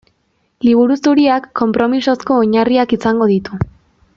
Liburu Zuriak konpromisozko oinarriak izango ditu.